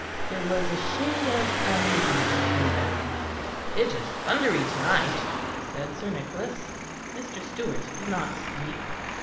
There was a shade of uneasiness in them. "It is thundery to night," said Sir Nicholas. Mr. Stewart did not speak.